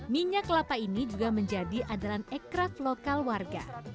minyak kelapa ini juga menjadi adalan ekras lokal warga